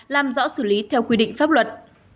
làm rõ xử lý theo quy định pháp luật